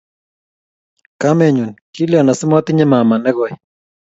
Kamenyu, kilya asimatinye mamaa nekoi?